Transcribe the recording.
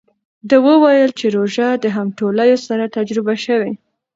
ده وویل چې روژه د همټولیو سره تجربه شوې.